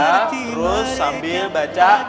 ya terus sambil baca